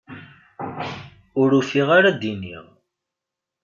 Ur ufiɣ ara d-iniɣ.